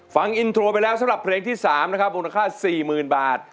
ฟังอินโทรไปแล้วสำหรับเพลงที่๓นะครับมูลค่า๔๐๐๐บาท